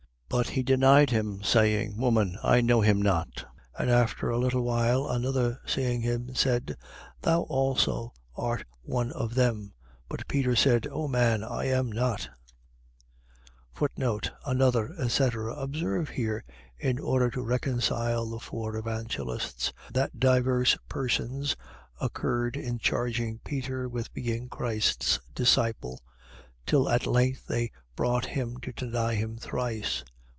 22:57. But he denied him, saying: Woman, I know him not. 22:58. And after a little while, another seeing him, said: Thou also art one of them. But Peter said: O man, I am not. Another, etc. . .Observe here, in order to reconcile the four Evangelists, that divers persons concurred in charging Peter with being Christ's disciple; till at length they brought him to deny him thrice.